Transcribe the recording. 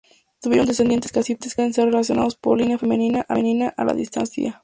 Tuvieron descendientes que así pueden ser relacionados, por línea femenina, a la dinastía.